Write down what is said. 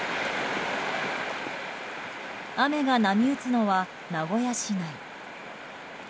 雨が波打つのは名古屋市内。